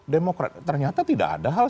demokrat ternyata tidak ada hal